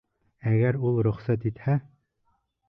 Әгәр ул рөхсәт итһә...